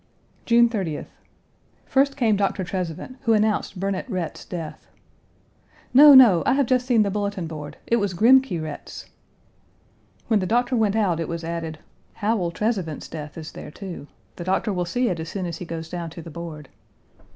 June 30th. First came Dr. Trezevant, who announced Burnet Rhett's death. "No, no; I have just seen the bulletin board. It was Grimke Rhett's." When the doctor went out it was added: "Howell Trezevant's death is there, too. The doctor will see it as soon as he goes down to the board."